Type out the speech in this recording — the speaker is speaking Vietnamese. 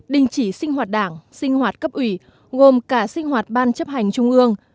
đình chỉ sinh hoạt đảng sinh hoạt cấp ủy gồm cả sinh hoạt ban chấp hành trung ương